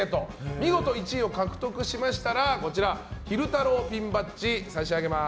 見事１位を獲得しましたら昼太郎ピンバッジを差し上げます。